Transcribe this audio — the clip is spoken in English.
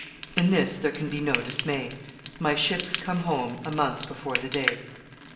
In this there can be no dismay; My ships come home a month before the day.